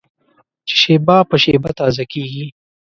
چې شېبه په شېبه تازه کېږي.